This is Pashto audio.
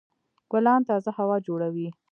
ګلان تازه هوا جوړوي.